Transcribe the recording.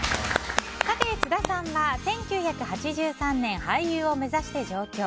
津田さんは１９８３年俳優を目指して上京。